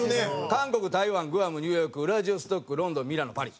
韓国台湾グアムニューヨークウラジオストクロンドンミラノパリ。